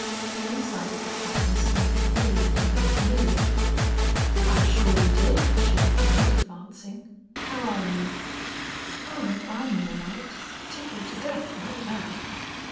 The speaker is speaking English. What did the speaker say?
The inside of the cabin seemed vague and unfamiliar. "I surely did," she replied, advancing. "How are you?" "Oh, I'm all right. Tickled to death, right now.